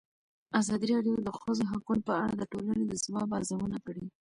ازادي راډیو د د ښځو حقونه په اړه د ټولنې د ځواب ارزونه کړې.